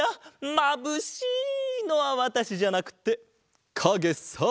「まぶしい！」のはわたしじゃなくてかげさ！